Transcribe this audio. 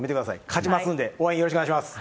勝ちますんで、応援よろしくお願いします。